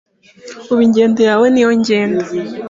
ubu ingendo yawe niyo ngenda”